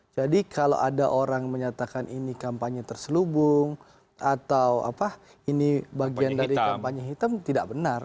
jadi kalau ada orang menyatakan ini kampanye terselubung atau ini bagian dari kampanye hitam tidak benar